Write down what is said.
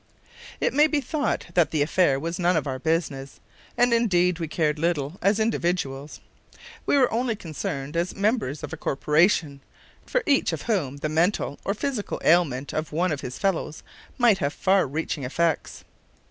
It may be thought that the affair was none of our business; and indeed we cared little as individuals. We were only concerned as members of a corporation, for each of whom the mental or physical ailment of one of his fellows might have far reaching effects.